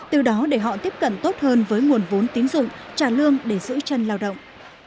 từ đó để họ tiếp cận tốt hơn với nguồn vốn tín dụng trả lương để giữ chân lao động